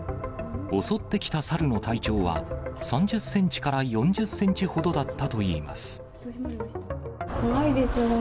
襲ってきたサルの体長は、３０センチから４０センチほどだったと怖いですよね。